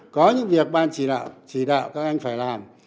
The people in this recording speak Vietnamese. có những việc ban chỉ đạo chỉ đạo các anh phải làm